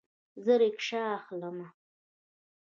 زه ریکشه اخلمه